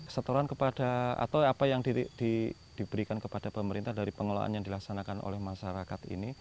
setoran kepada atau apa yang diberikan kepada pemerintah dari pengelolaan yang dilaksanakan oleh masyarakat ini